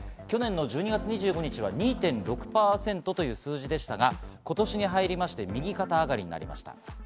去年１２月２５日は２．６％という数字でしたが今年に入って右肩上がりになりました。